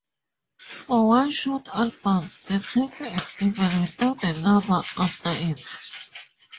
For one-shot albums, the title is given without a number after it.